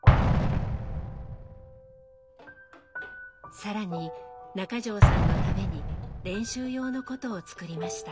更に中条さんのために練習用の箏を作りました。